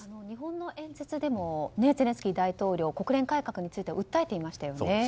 日本の演説でもゼレンスキー大統領国連改革について訴えていましたよね。